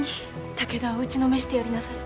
武田を打ちのめしてやりなされ。